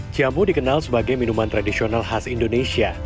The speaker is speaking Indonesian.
jamu dikenal sebagai minuman tradisional khas indonesia